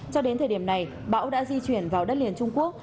cho đến thời điểm này bão đã di chuyển vào đất liền trung quốc